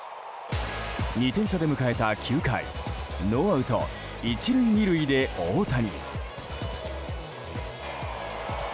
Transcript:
２点差で迎えた９回ノーアウト１塁２塁で大谷。